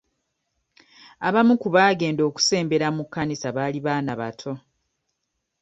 Abamu ku baagenda okusembera mu kkanisa baali baana bato.